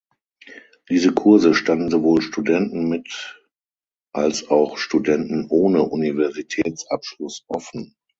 Diese Kurse standen sowohl Studenten mit als auch Studenten ohne Universitätsabschluss offen.